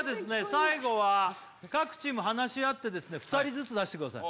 最後は各チーム話し合ってですね２人ずつ出してください